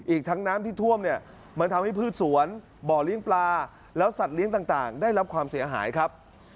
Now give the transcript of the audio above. อีกทั้งน้ำที่ท่วมเนี่ยมันทำให้พืชสวนบ่อเลี้ยงปลาแล้วสัตว์เลี้ยงต่างได้รับความเสียหายครับ